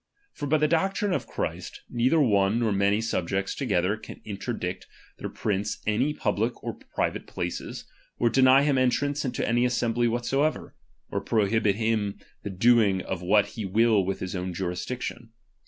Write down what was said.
For by the doctrine of Christ, neither one nor many subjects together can inter dict their prince any public or private places, or deny him entrance into any assembly whatsoever, or prohibit him the doing of what he will with his own jurisdiction.